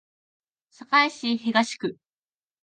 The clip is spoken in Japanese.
堺市東区